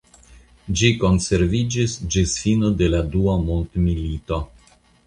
Ĝi konserviĝis ĝis fino de la dua mondmilito.